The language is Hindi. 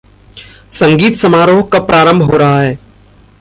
संगीत समारोह कब प्रारंभ हो रहा है?